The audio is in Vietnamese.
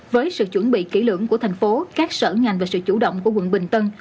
với sự chuẩn bị kỹ lưỡng của thành phố các sở ngành và sự chủ động của quận bình tân